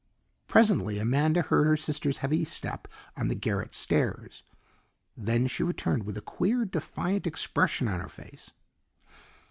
Presently Amanda heard her sister's heavy step on the garret stairs. Then she returned with a queer defiant expression on her face.